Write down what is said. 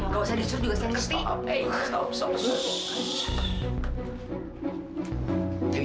gak usah disuruh juga saya ngerti